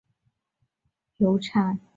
境内的建筑还包括布阿集团的炼油厂等。